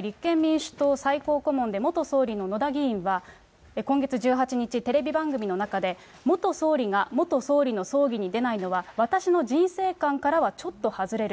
立憲民主党最高顧問で元総理の野田議員は、今月１８日、テレビ番組の中で元総理が元総理の葬儀に出ないのは、私の人生観からはちょっと外れる。